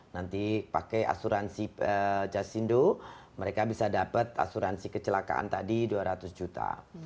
nanti pakai asuransi jasindo mereka bisa dapat asuransi kecelakaan tadi dua ratus juta